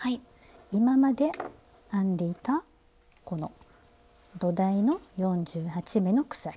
今まで編んでいたこの土台の４８目の鎖。